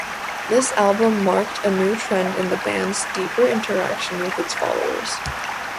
This album marked a new trend in the band's deeper interaction with its followers.